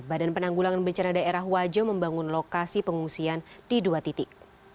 badan penanggulangan bencana daerah wajo membangun lokasi pengungsian di dua titik